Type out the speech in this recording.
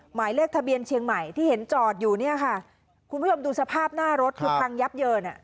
หมายเลขทะเบียนเชียงใหม่ที่เห็นจอดอยู่เนี่ยค่ะคุณผู้ชมดูสภาพหน้ารถคือพังยับเยินอ่ะ